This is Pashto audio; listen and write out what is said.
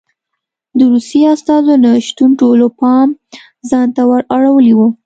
د روسیې استازو نه شتون ټولو پام ځان ته ور اړولی و